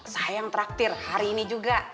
sayang traktir hari ini juga